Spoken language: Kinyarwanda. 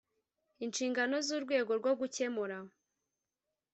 inshingano z urwego rwo gukemura